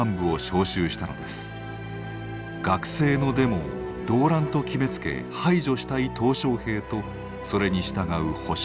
学生のデモを動乱と決めつけ排除したい小平とそれに従う保守派。